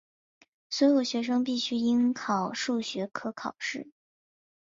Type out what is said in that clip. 所有学生必须应考数学科考试。